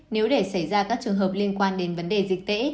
nếu để xảy ra các trường hợp liên quan đến vấn đề dịch tễ